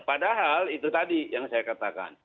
padahal itu tadi yang saya katakan